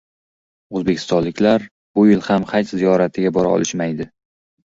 O‘zbekistonliklar bu yil ham Haj ziyoratiga bora olishmaydi